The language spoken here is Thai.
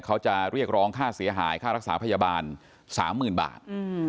เขาจะเรียกร้องค่าเสียหายค่ารักษาพยาบาล๓๐๐๐บาท